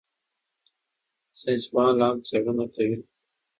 ساینسپوهان لا هم څېړنه کوي.